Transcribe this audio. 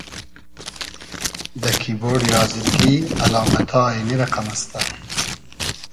دۂ کیبۉرۮی آزرگی الامئتا اېنی رئقئم استۂ: